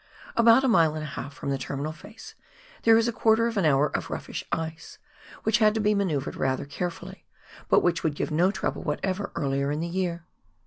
About a mile and a half from the terminal face, there is a quarter of an hour of roughish ice, which had to be manoeuvred rather carefully, but which would give no trouble whatever earlier in the year.